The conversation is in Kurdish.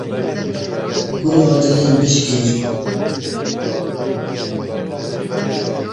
Tembûra li paş qûna kerê ye.